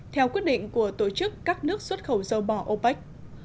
theo quyết định của tổ chức các nước xuất khẩu dầu mỏ opec